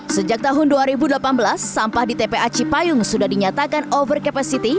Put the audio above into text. sejak tahun dua ribu delapan belas sampah di tpa cipayung sudah dinyatakan over capacity